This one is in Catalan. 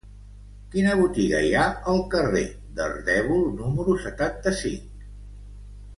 Quina botiga hi ha al carrer d'Ardèvol número setanta-cinc?